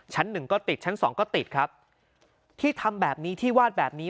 ชั้นหนึ่งก็ติดชั้นสองก็ติดครับที่ทำแบบนี้ที่วาดแบบนี้